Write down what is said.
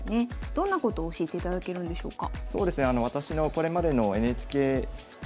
どんなことを教えていただけるんでしょうか？